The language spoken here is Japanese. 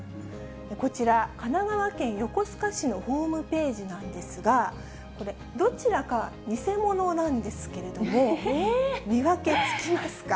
こちら、神奈川県横須賀市のホームページなんですが、これ、どちらか偽物なんですけれども、見分けつきますか？